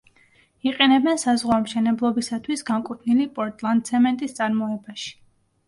იყენებენ საზღვაო მშენებლობისათვის განკუთვნილი პორტლანდცემენტის წარმოებაში.